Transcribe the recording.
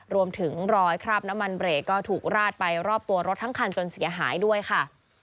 รอยคราบน้ำมันเบรกก็ถูกราดไปรอบตัวรถทั้งคันจนเสียหายด้วยค่ะ